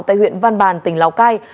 tại huyện văn bàn tỉnh lào cai